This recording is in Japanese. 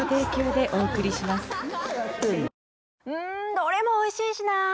どれもおいしいしなぁ。